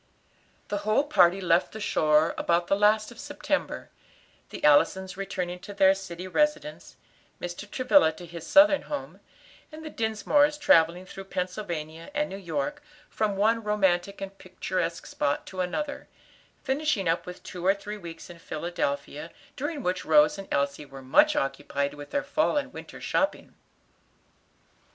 The whole party left the shore about the last of September, the Allisons returning to their city residence, Mr. Travilla to his Southern home, and the Dinsmores travelling through Pennsylvania and New York, from one romantic and picturesque spot to another; finishing up with two or three weeks in Philadelphia, during which Rose and Elsie were much occupied with their fall and winter shopping.